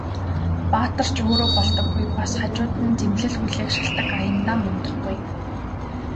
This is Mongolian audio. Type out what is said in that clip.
Баатар ч өөрөө болдоггүй, бас хажууд нь зэмлэл хүлээх шалтаг аяндаа мундахгүй.